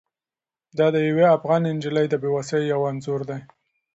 دا د یوې افغانې نجلۍ د بې وسۍ یو انځور دی.